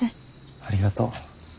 ありがとう。